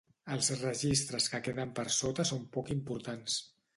Els registres que queden per sota són poc importants.